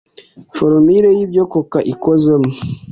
Formule y’ibyo coca ikozemo